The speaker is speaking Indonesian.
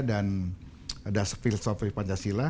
dan dasar filosofi panjangnya